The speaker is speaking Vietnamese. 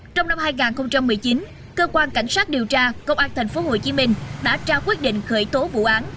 trong năm hai nghìn một mươi chín cơ quan cảnh sát điều tra công an tp hcm đã ra quyết định khởi tố vụ án